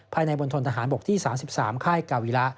บนทนทหารบกที่๓๓ค่ายกาวิระ